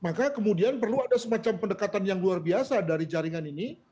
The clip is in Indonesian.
maka kemudian perlu ada semacam pendekatan yang luar biasa dari jaringan ini